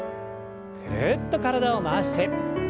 ぐるっと体を回して。